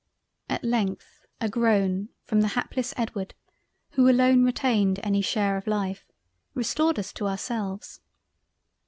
At length a groan from the hapless Edward (who alone retained any share of life) restored us to ourselves.